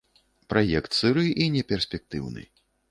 Праект сыры і неперспектыўны.